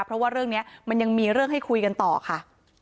เพราะว่าเรื่องนี้มันยังมีเรื่องให้คุยกันต่อค่ะ